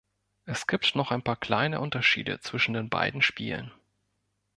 Es gibt noch ein paar kleine Unterschiede zwischen den beiden Spielen.